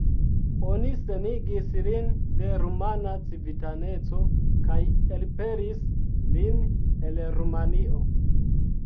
Oni senigis lin de rumana civitaneco kaj elpelis lin el Rumanio.